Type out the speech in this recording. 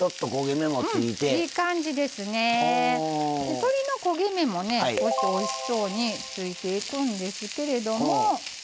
鶏の焦げ目もおいしそうについていくんですけれども。